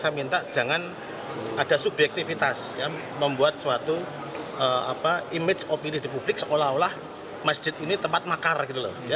saya minta jangan ada subjektivitas membuat suatu image opini di publik seolah olah masjid ini tempat makar gitu loh